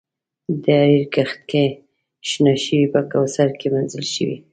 د حریر کښت کې شنه شوي په کوثر کې مینځل شوي